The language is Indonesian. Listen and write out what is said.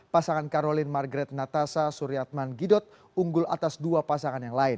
pasangan karolin margret natasa suryatman gidot unggul atas dua pasangan yang lain